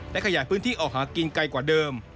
และขยายพื้นที่ออกหากินไกลกว่าเดิม